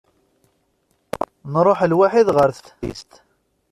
Nruḥ lwaḥi ɣer teftist.